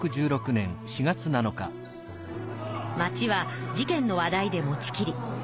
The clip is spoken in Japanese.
町は事件の話題で持ちきり。